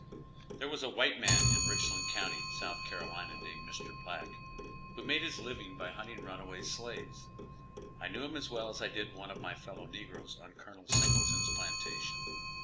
There was a white man in Richland County, South Carolina, named Mr. Black, who made his living by hunting runaway slaves. I knew him as well as I did one of my fellow negroes on Col. Singleton's plantation.